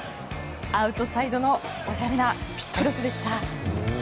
アウトサイドのおしゃれなクロスでした。